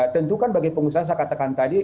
tentu kan bagi pengusaha saya katakan tadi